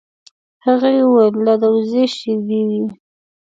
هغې وویل دا د وزې شیدې دي.